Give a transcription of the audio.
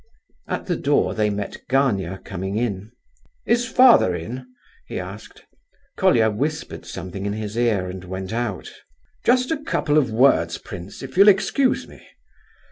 At the door they met Gania coming in. "Is father in?" he asked. Colia whispered something in his ear and went out. "Just a couple of words, prince, if you'll excuse me.